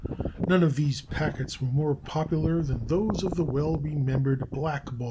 None of these packets were more popular than those of the well remembered Black Ball Line.